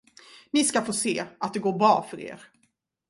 Ni ska få se, att det går bra för er.